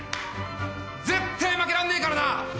絶対負けらんねえからな！